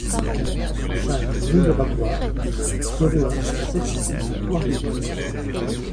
cinq rue des Battoirs, zéro un, sept cent dix, Thoiry